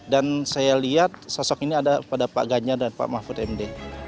dan saya lihat sosok ini ada pada pak genjar dan pak mafud md